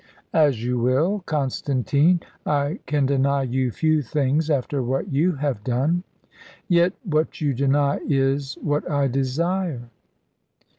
"As you will, Constantine. I can deny you few things, after what you have done." "Yet what you deny is what I desire."